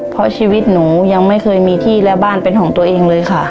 เพราะชีวิตหนูยังไม่เคยมีที่และบ้านเป็นของตัวเองเลยค่ะ